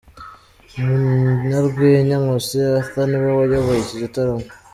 Umunyarwenya Nkusi Arthur niwe wayoboye iki gitaramo.